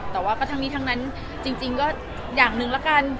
แต่ว่าก็ทั้งนี้ทั้งนั้นจริงก็อย่างหนึ่งละกัน